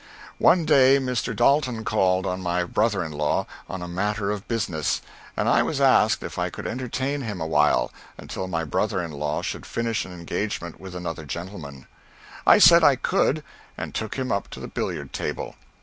One day Mr. Dalton called on my brother in law, on a matter of business, and I was asked if I could entertain him awhile, until my brother in law should finish an engagement with another gentleman. I said I could, and took him up to the billiard table.